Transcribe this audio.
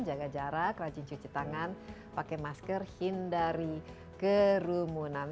jaga jarak rajin cuci tangan pakai masker hindari kerumunan